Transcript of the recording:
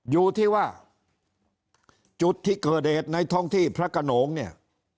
อยู่ที่ว่าจุดที่เกิดเหตุในท้องที่พระขนงเนี่ย